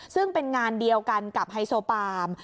ซึ่งเป็นงานเดียวกันกับไฮโซปาม